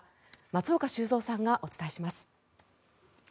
松岡修造さんがお伝えします。